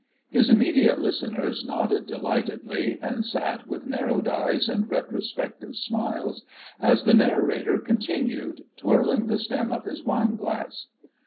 His immediate listeners nodded delightedly, and sat with narrowed eyes and retrospective smiles as the narrator continued, twirling the stem of his wine glass.